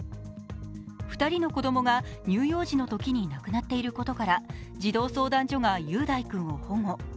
２人の子供が乳幼児のときに亡くなっていることから児童相談所が雄大君を保護。